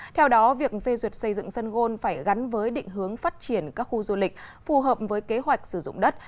theo đó việc phê duyệt xây dựng sân gôn phải gắn với định hướng phát triển các khu du lịch phù hợp với kế hoạch sử dụng đất